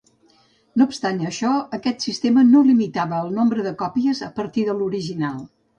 No obstant això, aquest sistema no limitava el nombre de còpies a partir de l'original.